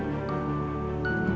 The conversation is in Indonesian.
jangan lupa untuk mencoba